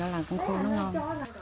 là con khô nó ngon